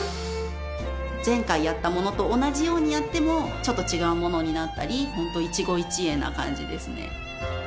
前回やったものと同じようにやってもちょっと違うものになったりホント一期一会な感じですね